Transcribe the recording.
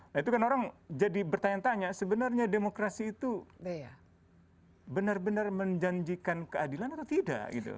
nah itu kan orang jadi bertanya tanya sebenarnya demokrasi itu benar benar menjanjikan keadilan atau tidak